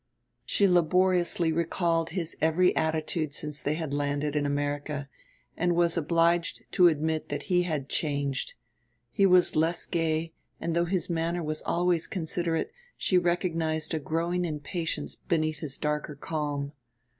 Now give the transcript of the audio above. She laboriously recalled his every attitude since they had landed in America, and was obliged to admit that he had changed he was less gay and though his manner was always considerate she recognized a growing impatience beneath his darker calm.